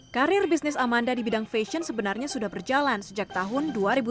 karir bisnis amanda di bidang fashion sebenarnya sudah berjalan sejak tahun dua ribu tujuh belas